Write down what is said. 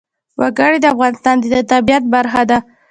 وګړي د افغانستان د طبیعت برخه ده.